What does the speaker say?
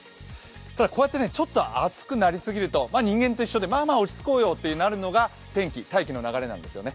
ただ、こうやって暑くなりすぎると人間と一緒でまあまあ、落ち着こうよってなるのが天気、大気の流れなんですよね。